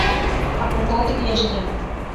আপনার তাহাতে কী আসে যায়।